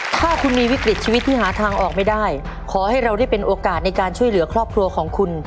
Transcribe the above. ถ้าคุณมีวิกฤตชีวิตที่หาทางออกไม่ได้ขอให้เราได้เป็นโอกาสในการช่วยเหลือครอบครัวของคุณ